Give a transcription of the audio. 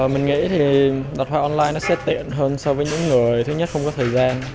mình nghĩ đặt hoa online sẽ tiện hơn so với những người thứ nhất không có thời gian